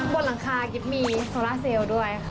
บนหลังคากิ๊บมีโซล่าเซลล์ด้วยค่ะ